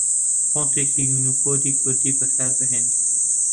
فۆنتێکی یوونیکۆدی کوردی بەکاربهێنە